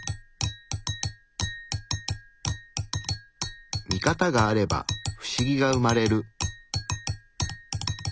ミカタがあればフシギが生まれる。